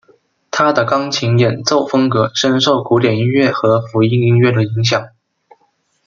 他的钢琴演奏风格深受古典音乐和福音音乐的影响。